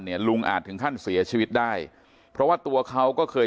ลุงอาจถึงขั้นเสียชีวิตได้เพราะว่าตัวเขาก็เคย